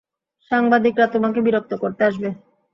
সাংবাদিকরা তোমাকে বিরক্ত করতে আসবে।